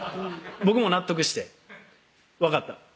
僕も納得して「分かった」